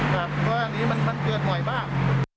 ครับก็อันนี้มันมันเกิดหน่อยบ้าง